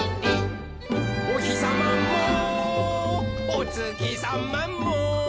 「おひさまもおつきさまも」